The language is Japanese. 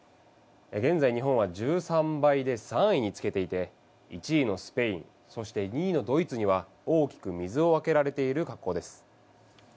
現在、日本は１３倍で３位につけていて１位のスペインそして、２位のドイツには大きく水をあけられている格好です。